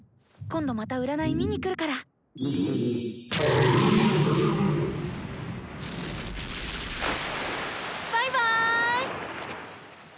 今度また占い見に来るから！バイバイ！